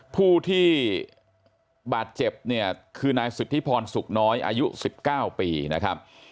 ผู้ที่บาดเจ็บเนี่ยคือนายสิทธิพรสุขน้อยอายุ๑๙ปีนะครับ